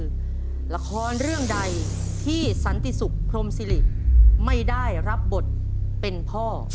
นี่คือละครเรื่องใดที่สันติศุกรพมศิษย์ไม่ได้รับบทเป็นพ่อ